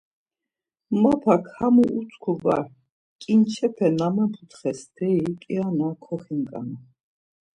Mapak hamu utku var, ǩinçepe na meputxes steri kiana koxinǩanu.